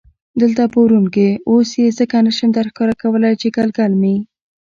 دلته په ورون کې، اوس یې ځکه نه شم درښکاره کولای چې ګلګل مې.